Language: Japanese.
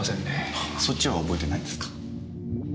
あそっちは覚えてないんですか。